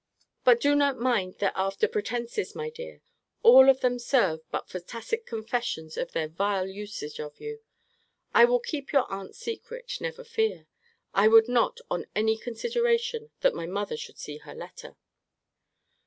But do not mind their after pretences, my dear all of them serve but for tacit confessions of their vile usage of you. I will keep your aunt's secret, never fear. I would not, on any consideration, that my mother should see her letter.